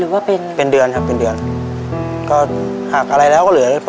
มันเกิดอะไรขึ้น